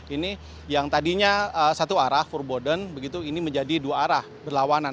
ini yang tadinya satu arah forboden begitu ini menjadi dua arah berlawanan